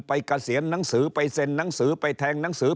เกษียณหนังสือไปเซ็นหนังสือไปแทงหนังสือ